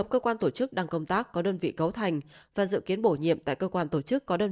một cơ quan tổ chức đang công tác có đơn vị cấu thành và dự kiến bổ nhiệm tại cơ quan tổ chức có đơn